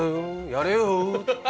やれよ」。